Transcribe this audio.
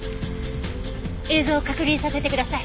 映像を確認させてください。